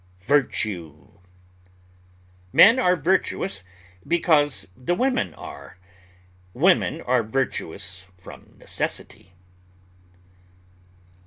VIRTUE Men are virtuous because the women are; women are virtuous from necessity.